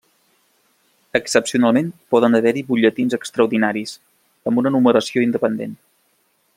Excepcionalment poden haver-hi butlletins extraordinaris, amb una numeració independent.